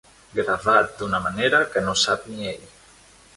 Gravat d'una manera que no sap ni ell.